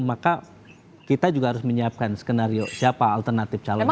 maka kita juga harus menyiapkan skenario siapa alternatif calon presiden